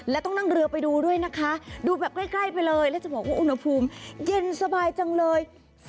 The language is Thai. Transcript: และต้องนั่งเรือไปดูด้วยนะคะดูแบบใกล้ไปเลยแล้วจะบอกว่าอุณหภูมิเย็นสบายจังเลย